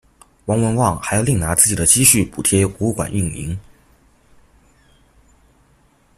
王文旺还要另拿自己的积蓄补贴博物馆运营。